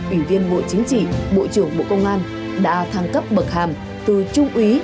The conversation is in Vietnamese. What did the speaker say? ủy viên bộ chính trị bộ trưởng bộ công an đã thăng cấp bậc hàm từ trung úy